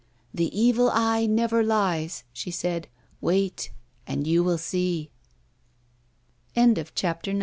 "The Evil Eye never lies," she said. "Wait and you will see." CHAPTER X.